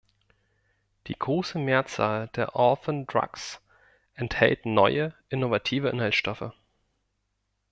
Die große Mehrzahl der "orphan drugs" enthält neue, innovative Inhaltsstoffe.